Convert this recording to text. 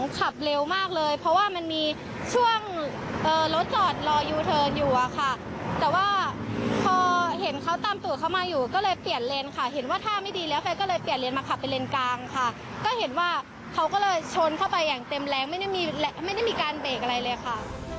จะชนเข้าไปอย่างเต็มแรงไม่ได้มีการเบรกอะไรเลยค่ะ